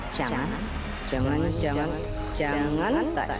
jangan jangan jangan jangan tasya